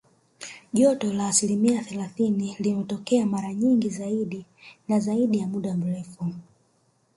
Joto la asilimia thelathini linatokea mara nyingi zaidi na zaidi ya muda mrefu